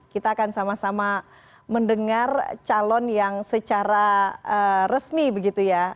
kita akan sama sama mendengar calon yang secara resmi begitu ya